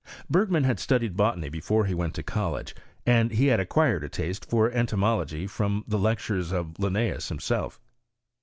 Bergman had studied botany before he went to college, and he had acquired a taste for entomology from the lectures of Linnteus himself.